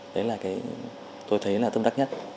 đấy là cái tôi thấy là tâm đắc nhất